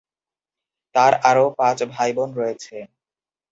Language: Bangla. তাঁর আরও পাঁচ ভাই-বোন রয়েছে।